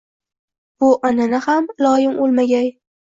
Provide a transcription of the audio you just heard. Bu an’ana ham, iloyim, o‘lmagay!